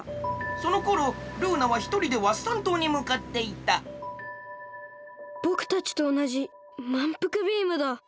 そのころルーナはひとりでワッサン島にむかっていたこころのこえぼくたちとおなじまんぷくビームだ。